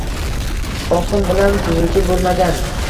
oqim bilan suzuvchi bo‘lmagan